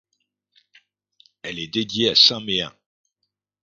Elle est dédiée à saint Méen.